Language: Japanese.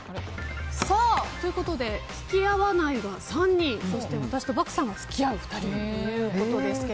付き合わないが３人そして私と漠さんが付き合うで２人ということですが